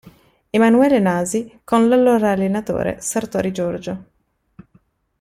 Emanuele Nasi e con l'allora allenatore Sartori Giorgio.